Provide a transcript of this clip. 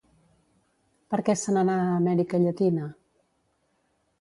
Per què se n'anà a Amèrica Llatina?